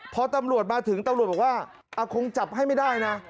พอตำรวจมาถึงตำรวจบอกว่าคงจับให้ไม่ได้นะ